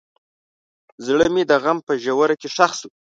زړه مې د غم په ژوره کې ښخ شو.